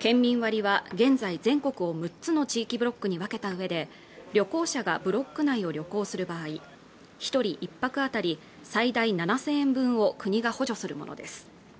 ケンミン割は現在全国を６つの地域ブロックに分けたうえで旅行者がブロック内を旅行する場合一人１泊当たり最大７０００円分を国が補助するものです